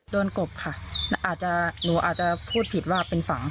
โดนกบค่ะหนูอาจจะพูดผิดว่าเป็นฝัง